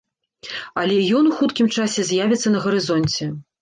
Але ён у хуткім часе з'явіцца на гарызонце.